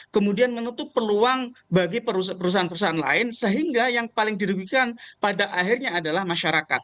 kemudian menutup peluang bagi perusahaan perusahaan lain sehingga yang paling dirugikan pada akhirnya adalah masyarakat